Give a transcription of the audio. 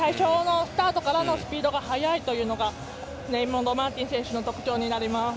スタートからのスピードが速いというのがレイモンド・マーティン選手の特徴になります。